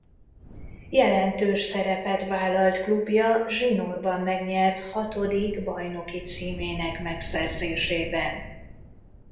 Jelentős szerepet vállalt klubja zsinórban megnyert hatodik bajnoki címének megszerzésében.